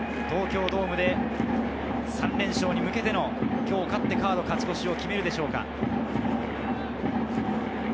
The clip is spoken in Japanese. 東京ドームで３連勝に向けてのカード勝ち越しを決めるでしょうか。